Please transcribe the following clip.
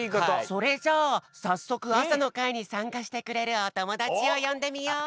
それじゃあさっそくあさのかいにさんかしてくれるおともだちをよんでみよう！